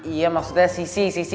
iya maksudnya sisi sisi